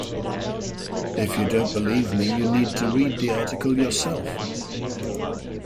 If you don't believe me, you need to read the article yourself